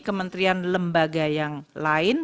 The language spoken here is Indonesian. kementerian lembaga yang lain